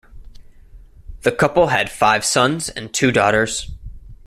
The couple had five sons and two daughters.